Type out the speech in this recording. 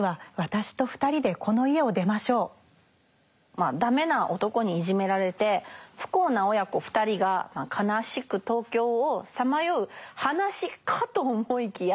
まあダメな男にいじめられて不幸な親子２人が悲しく東京をさまよう話かと思いきや